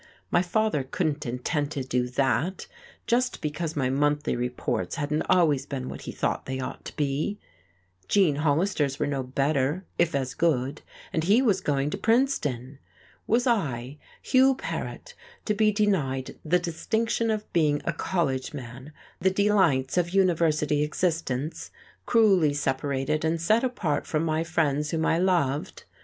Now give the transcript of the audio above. My father couldn't intend to do that, just because my monthly reports hadn't always been what he thought they ought to be! Gene Hollister's were no better, if as good, and he was going to Princeton. Was I, Hugh Paret, to be denied the distinction of being a college man, the delights of university existence, cruelly separated and set apart from my friends whom I loved!